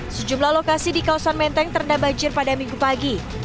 sejumlah lokasi di kawasan menteng terendam banjir pada minggu pagi